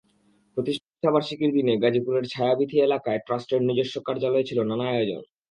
প্রতিষ্ঠাবার্ষিকীর দিনে গাজীপুরের ছায়াবীথি এলাকায় ট্রাস্টের নিজস্ব কার্যালয়ে ছিল নানা আয়োজন।